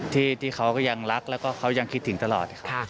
ที่เขาก็ยังรักแล้วก็เขายังคิดถึงตลอดครับ